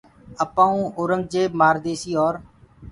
آپآئونٚ اورنٚگجيب مآرديسيٚ اور